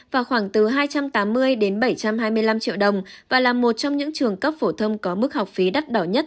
và khoảng từ hai trăm tám mươi đến bảy trăm hai mươi năm triệu đồng và là một trong những trường cấp phổ thông có mức học phí đắt đỏ nhất